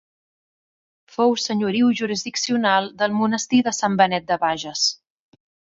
Fou senyoriu jurisdiccional del Monestir de Sant Benet de Bages.